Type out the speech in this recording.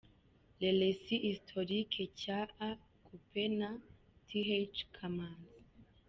Les Recits Historiques cya A Coupez na Th Kamanzi.